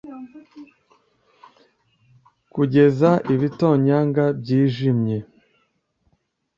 kugeza ibitonyanga byijimye